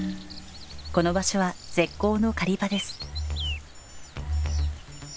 この場所は絶好の狩り場です。